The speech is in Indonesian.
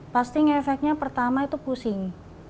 pasti ngefeknya pertama itu pusing